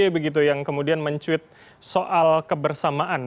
pak sby begitu yang kemudian mencuit soal kebersamaan